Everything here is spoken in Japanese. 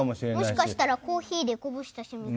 もしかしたらコーヒーでこぼした染みかもしれない。